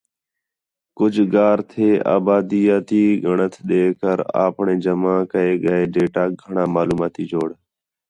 کُجھ گار تھئے آبادیاتی ڳَݨَت ݙے کر آپݨے جمع کَئے ڳئے ڈیٹاک گھݨاں معلوماتی جوڑ